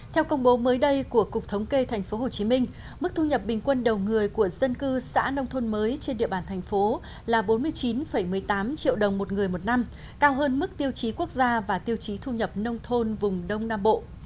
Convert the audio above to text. theo công bố mới đây của cục thống kê tp hcm mức thu nhập bình quân đầu người của dân cư xã nông thôn mới trên địa bàn thành phố là bốn mươi chín một mươi tám triệu đồng một người một năm cao hơn mức tiêu chí quốc gia và tiêu chí thu nhập nông thôn vùng đông nam bộ